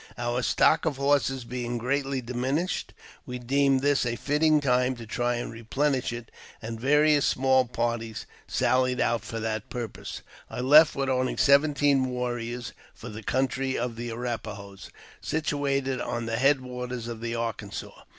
Our stock of horses being greatly diminished, we deemed this a fitting time to try and replenish it, and various small parties sallied out for that purpose. I left w4th only seventeen warriors for the country of the Arrap a hos, situated on the head waters of the Arkansas.